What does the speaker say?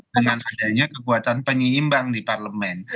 dengan adanya kekuatan penyeimbang di parlemen